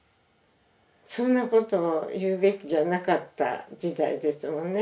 そんなことを言うべきじゃなかった時代ですもんね。